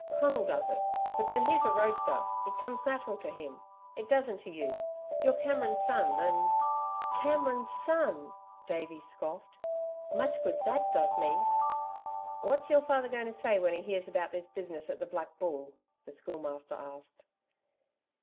"Conal does it ... but then he's a roadster. It comes natural to him. It doesn't to you. You're Cameron's son and " "Cameron's son!" Davey scoffed. "Much good that does me!" "What's your father going to say when he hears about this business at the Black Bull," the Schoolmaster asked.